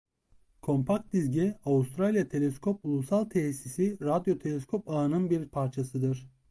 Kompakt dizge Avustralya Teleskop Ulusal Tesisi radyo teleskop ağının bir parçasıdır.